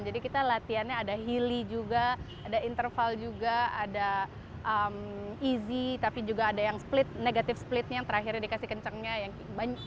jadi kita latihannya ada hilly juga ada interval juga ada easy tapi juga ada yang split negatif splitnya yang terakhir dikasih kencangnya yang banyak